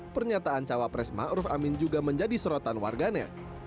pernyataan cawapres ma'ruf amin juga menjadi serotan warganet